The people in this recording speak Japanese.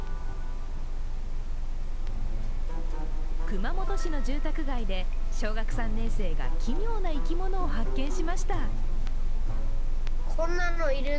熊本市の住宅街で小学３年生が奇妙な生き物を発見しました。